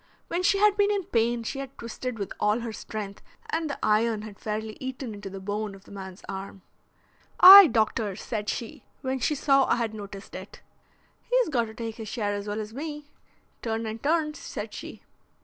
When she had been in pain she had twisted with all her strength and the iron had fairly eaten into the bone of the man's arm. 'Aye, doctor,' said she, when she saw I had noticed it. 'He's got to take his share as well as me. Turn and turn,' said she."